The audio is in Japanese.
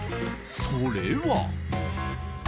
それは。